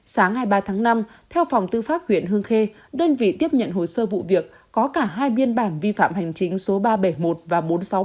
sáng hai mươi ba tháng năm theo phòng tư pháp huyện hương khê đơn vị tiếp nhận hồ sơ vụ việc có cả hai biên bản vi phạm hành chính số ba trăm bảy mươi một và bốn trăm sáu mươi bảy